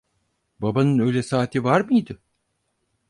Babanın öyle saati var mıydı?